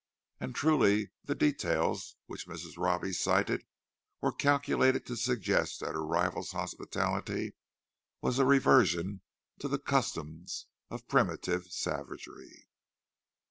And truly the details which Mrs. Robbie cited were calculated to suggest that her rival's hospitality was a reversion to the customs of primitive savagery.